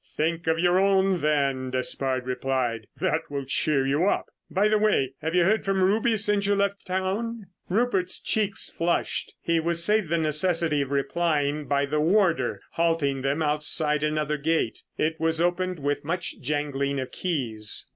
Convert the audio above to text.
"Think of your own, then," Despard replied, "that will cheer you up. By the way, have you heard from Ruby since you left town?" Rupert's cheeks flushed. He was saved the necessity of replying, by the warder halting them outside another gate. It was opened with much jangling of keys.